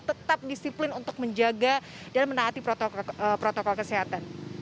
tetap disiplin untuk menjaga dan menaati protokol kesehatan